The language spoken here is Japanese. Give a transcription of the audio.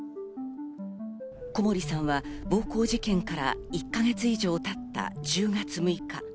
小森さんは暴行事件から１か月以上経った１０月６日。